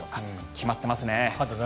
決まってますね。